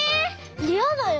いやだよ！